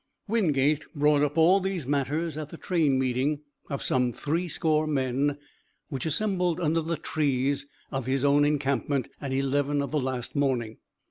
Wingate brought up all these matters at the train meeting of some three score men which assembled under the trees of his own encampment at eleven of the last morning.